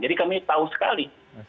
jadi kami tahu sekali